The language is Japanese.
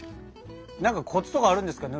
何かコツとかあるんですか？